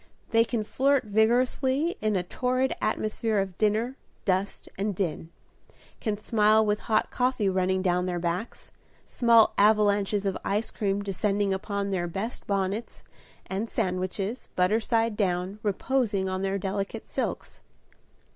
They can flirt vigorously in a torrid atmosphere of dinner, dust, and din; can smile with hot coffee running down their backs, small avalanches of ice cream descending upon their best bonnets, and sandwiches, butter side down, reposing on their delicate silks.